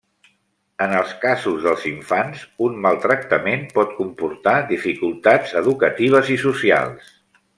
En els casos dels infants, un mal tractament, pot comportar dificultats educatives i socials.